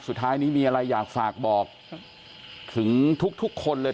สุดท้ายนี้มีอะไรอยากฝากบอกถึงทุกคนเลย